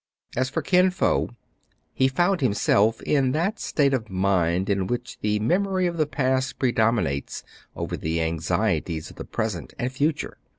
As for Kin Fo, he found himself in that state of mind in which the memory of the past predom inates over the anxieties of the present and future.